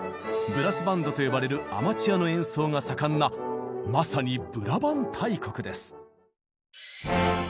「ブラスバンド」と呼ばれるアマチュアの演奏が盛んなまさにブラバン大国です。